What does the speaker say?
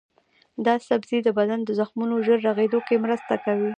دا سبزی د بدن د زخمونو ژر رغیدو کې مرسته کوي.